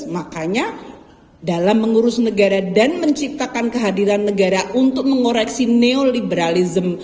makanya dalam mengurus negara dan menciptakan kehadiran negara untuk mengoreksi neoliberalism